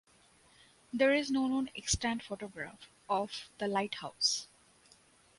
There is no known extant photograph of the lighthouse.